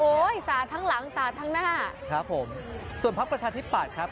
โอ๊ยสาดทางหลังสาดทางหน้าครับผมส่วนพระประชาชิบปัดครับ